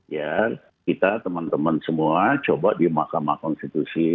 ya kita teman teman semua coba di mahkamah konstitusi